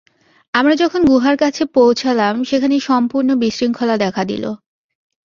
আমরা যখন গুহার কাছে পৌঁছলাম, সেখানে সম্পূর্ণ বিশৃঙ্খলা দেখা দিলো।